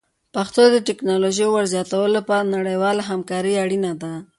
پښتو ته د ټکنالوژۍ ور زیاتولو لپاره نړیواله همکاري اړینه ده.